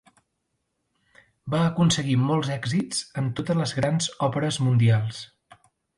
Va aconseguir molts èxits en totes les grans òperes mundials.